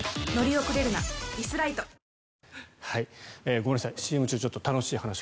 ごめんなさい、ＣＭ中楽しい話を。